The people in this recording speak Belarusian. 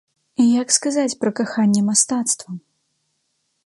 І як сказаць пра каханне мастацтвам?